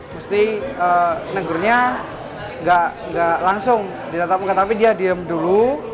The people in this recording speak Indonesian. mesti negurnya gak langsung ditetap muka tapi dia diem dulu